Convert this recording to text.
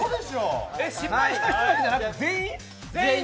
失敗した人だけじゃなくて全員？